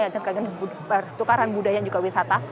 yang terkait dengan pertukaran budaya dan juga wisata